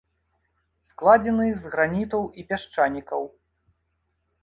Складзены з гранітаў і пясчанікаў.